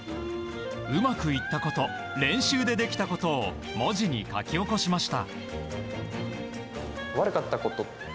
うまくいったこと練習でできたことを文字に書き起こしました。